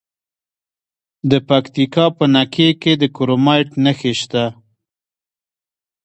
د پکتیکا په نکې کې د کرومایټ نښې شته.